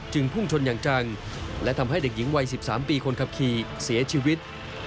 พุ่งชนอย่างจังและทำให้เด็กหญิงวัย๑๓ปีคนขับขี่เสียชีวิต